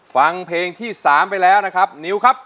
ฟังเพลงที่๓ไปแล้วนะครับนิวครับ